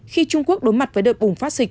khi trung quốc đối mặt với đợt bùng phát dịch